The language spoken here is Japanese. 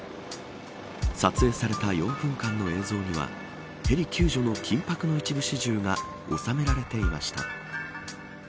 撮影された４分間の映像にはヘリ救助の緊迫の一部始終が収められていました。